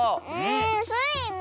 スイも！